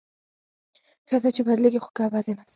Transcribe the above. ښه ده، چې بدلېږي خو کعبه د ناز